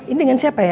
ini dengan siapa ya